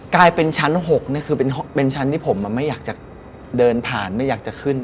กลายเป็นชั้น๖คือเป็นชั้นที่ผมไม่อยากจะเดินผ่านไม่อยากจะขึ้น